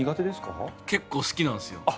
結構好きなんですよ。